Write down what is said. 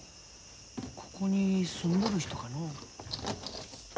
ここに住んどる人かのう。